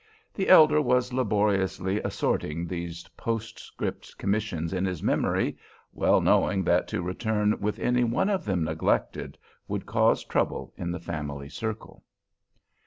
The elder was laboriously assorting these postscript commissions in his memory, well knowing that to return with any one of them neglected would cause trouble in the family circle.